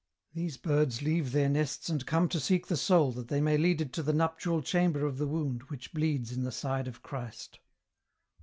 " These \71rds leave their nests and come to seek the soul that they may lead it to the nuptial chamber of the wound which bleeds in the side of Christ.